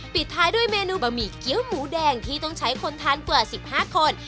ปิดท้ายด้วยเมนูบะหมี่เกี้ยวหมูแดงที่ต้องใช้คนทานกว่า๑๕คน